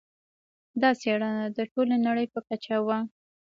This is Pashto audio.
دا څېړنه د ټولې نړۍ په کچه وه.